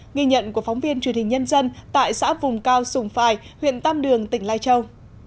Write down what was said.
nghi nhận của phóng viên truyền hình nhân dân tại xã vùng cao sùng phài huyện tam đường tỉnh lai châu